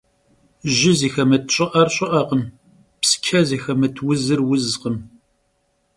Jı zıxemıt ş'ı'er ş'ı'ekhım, psçe zıxemıt vuzır vuzkhım.